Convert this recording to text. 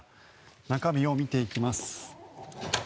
中身を見ていきます。